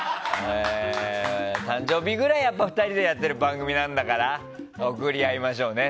誕生日ぐらい、やっぱり２人でやってる番組なんだから送り合いましょうね。